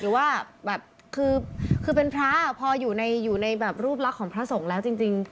หรือว่าแบบคือเป็นพระพออยู่ในแบบรูปลักษณ์ของพระสงฆ์แล้วจริง